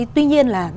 tuy nhiên là